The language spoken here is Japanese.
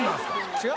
違う？